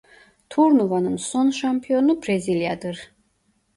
Turnuvanın son şampiyonu Brezilya'dır.